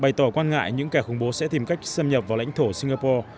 bày tỏ quan ngại những kẻ khủng bố sẽ tìm cách xâm nhập vào lãnh thổ singapore